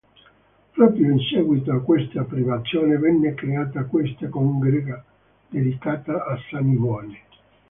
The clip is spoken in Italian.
Proprio in seguito a queste privazioni venne creata questa congrega dedicata a Sant'Ivone.